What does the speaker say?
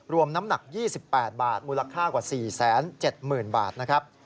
น้ำหนัก๒๘บาทมูลค่ากว่า๔๗๐๐๐บาทนะครับ